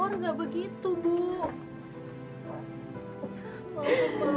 baru berapa lama sih kamu kenal yogar